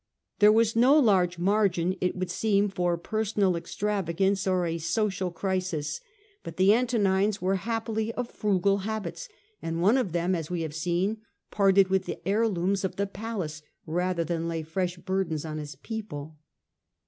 There was no large margin, it would seem, for per sonal extravagance or a social crisis ; but the Antonines became were happily of frugal habits, and one of them, gradually as we have seen, parted with the heirlooms of more in the palace rather than lay fresh burdens on tense. Yi\s people.